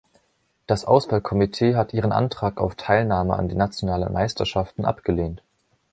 Das Auswahlkomitee hat ihren Antrag auf Teilnahme an den nationalen Meisterschaften abgelehnt.